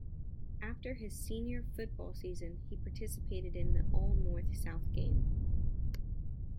After his senior football season, he participated in the All North-South game.